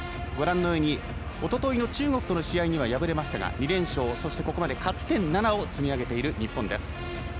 ご覧のようにおとといの中国との試合は敗れましたが２連勝、そしてここまで勝ち点７を積み上げている日本です。